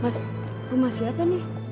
mas rumah siapa nih